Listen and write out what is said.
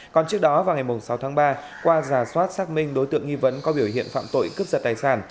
còn trước đó vào ngày sáu tháng ba qua giả soát xác minh đối tượng nghi vấn có biểu hiện phạm tội cướp giật tài sản